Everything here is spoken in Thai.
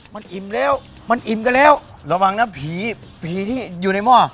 มันอิ่มแล้วมันอิ่มกันแล้วระวังนะผีผีที่อยู่ในหม้อ